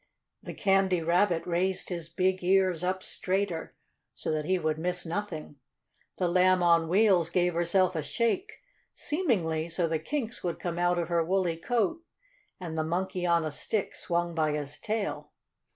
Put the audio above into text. The Candy Rabbit raised his big ears up straighter, so that he would miss nothing. The Lamb on Wheels gave herself a shake, seemingly so the kinks would come out of her woolly coat, and the Monkey on a Stick swung by his tail.